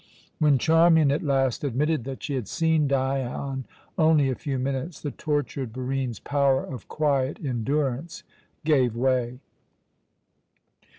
When Charmian at last admitted that she had seen Dion only a few minutes, the tortured Barine's power of quiet endurance gave way.